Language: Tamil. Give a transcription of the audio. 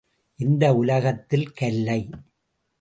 இந்த உலகத்தில் கல்லை.